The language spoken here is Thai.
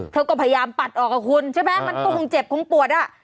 เธอก็พยายามปัดออกกับคุณใช่ไหมมันก็คงเจ็บคงปวดอ่ะ